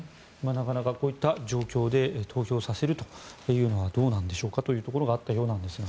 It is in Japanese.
なかなかこういった状況で投票させるというのはどうなんでしょうというところがあったようですが。